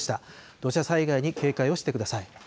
土砂災害に警戒をしてください。